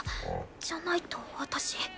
じゃないと私。